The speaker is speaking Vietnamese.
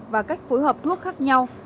và cách phối hợp thuốc khác nhau